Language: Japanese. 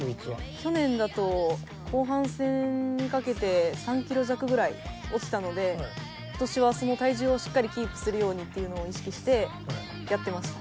去年だと後半戦にかけて３キロ弱ぐらい落ちたので今年はその体重をしっかりキープするようにっていうのを意識してやってました。